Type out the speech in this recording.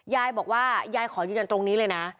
ยายบอกว่ายายขอยืนยันตรงนี้เลยนะ